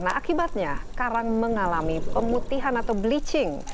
nah akibatnya karang mengalami pemutihan atau bleaching